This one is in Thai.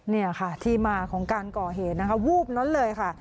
นี่นะคะที่มาของการก่อเหวูบน้อยเลยค่ะ